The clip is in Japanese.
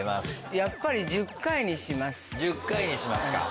やっぱり１０回にしますか。